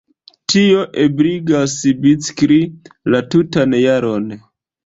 Tio ebligas bicikli la tutan jaron.